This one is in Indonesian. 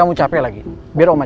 aku mau pergi ke rumah